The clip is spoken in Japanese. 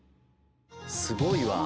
すごいわ。